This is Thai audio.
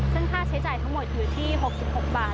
ซึ่งค่าใช้จ่ายทั้งหมดอยู่ที่๖๖บาท